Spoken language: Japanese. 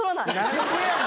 何でやねん！